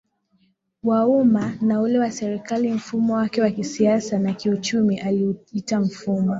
wa umma na ule wa serikali Mfumo wake wa kisiasa na kiuchumi aliuita mfumo